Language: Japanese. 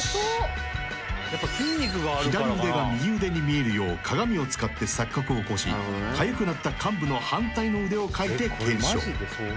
［左腕が右腕に見えるよう鏡を使って錯覚を起こしかゆくなった患部の反対の腕をかいて検証］